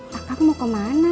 saya mau kemana